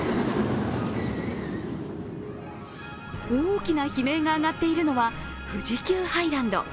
大きな悲鳴が上がっているのは富士急ハイランド。